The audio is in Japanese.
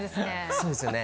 そうですよね。